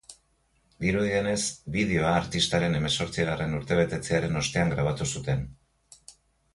Dirudienez, bideoa artistaren hemerzotzigarren urtebetetzearen ostean grabatu zuten.